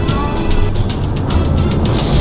มันต้องกลับมา